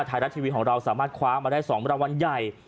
ไทยรัฐทีวีของเราสามารถคว้ามาได้๒รางวัลใหญ่